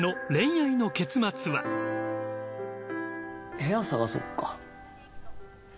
部屋探そっか。